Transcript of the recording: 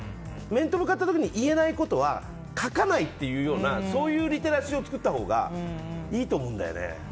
面と向かった時に言えないことは書かないっていうようなそういうリテラシーを作ったほうがいいと思うんだよね。